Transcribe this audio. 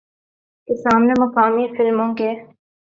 کے سامنے مقامی فلموں کے